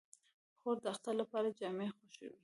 خور د اختر لپاره جامې خوښوي.